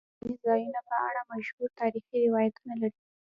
افغانستان د سیلانی ځایونه په اړه مشهور تاریخی روایتونه لري.